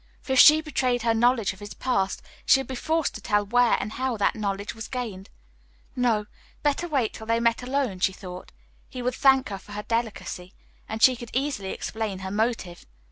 For if she betrayed her knowledge of his past, she would be forced to tell where and how that knowledge was gained. No, better wait till they met alone, she thought; he would thank her for her delicacy, and she could easily explain her motive.